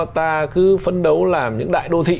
ta cứ phấn đấu làm những đại đô thị